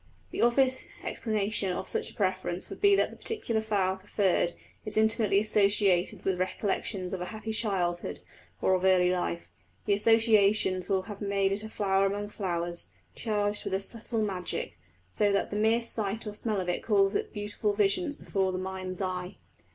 The obvious explanation of such a preference would be that the particular flower preferred is intimately associated with recollections of a happy childhood, or of early life. The associations will have made it a flower among flowers, charged with a subtle magic, so that the mere sight or smell of it calls up beautiful visions before the mind's eye.